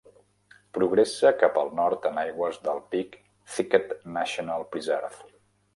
Progressa cap al nord en aigües del "Big Thicket National Preserve".